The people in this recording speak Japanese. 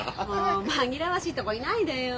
もう紛らわしいとこいないでよ。